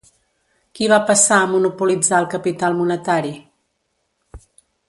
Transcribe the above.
Qui va passar a monopolitzar el capital monetari?